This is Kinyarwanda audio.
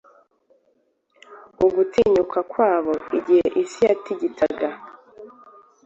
ugutinyuka kwabo igihe isi yatigitaga,